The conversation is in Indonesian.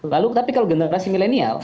lalu tapi kalau generasi milenial